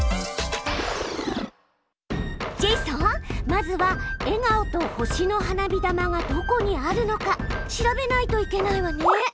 まずは笑顔と星の花火玉がどこにあるのか調べないといけないわね！